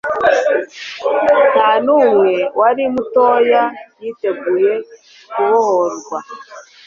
Ntanumwe wari mutoya yiteguye kubohorwa